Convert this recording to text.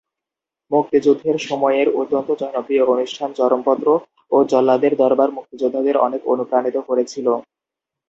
মুক্তিযুদ্ধের সময়ের অত্যন্ত জনপ্রিয় অনুষ্ঠান 'চরমপত্র' ও 'জল্লাদের দরবার' মুক্তিযোদ্ধাদের অনেক অনুপ্রাণিত করেছিল।